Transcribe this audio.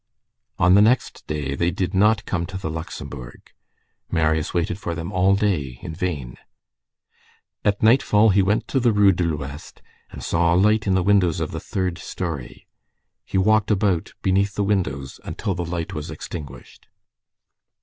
On the next day they did not come to the Luxembourg. Marius waited for them all day in vain. At nightfall, he went to the Rue de l'Ouest, and saw a light in the windows of the third story. He walked about beneath the windows until the light was extinguished.